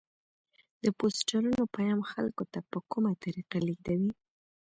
د پوسټرونو پیام خلکو ته په کومه طریقه لیږدوي؟